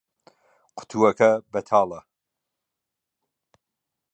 قوتووەکە بەتاڵە.